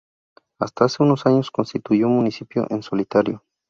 Hasta hace unos años constituyó municipio en solitario.